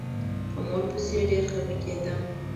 په مور پسې ډېر خپه کېدم.